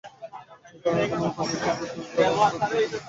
এ কারণে কোমল পানীয়র একটি দূত হওয়ার প্রস্তাব তিনি ফিরিয়ে দিয়েছেন।